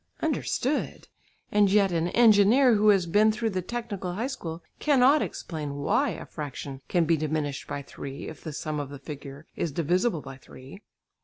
Understood? And yet an engineer who has been through the technical high school cannot explain "why" a fraction can be diminished by three if the sum of the figures is divisible by three.